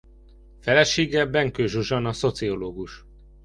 Felesége Benkő Zsuzsanna szociológus.